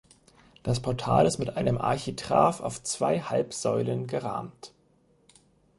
Das Portal ist mit einem Architrav auf zwei Halbsäulen gerahmt.